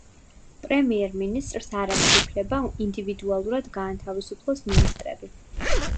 პრემიერ-მინისტრს არ აქვს უფლება ინდივიდუალურად გაანთავისუფლოს მინისტრები.